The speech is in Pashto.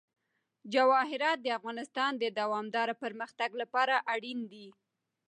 جواهرات د افغانستان د دوامداره پرمختګ لپاره اړین دي.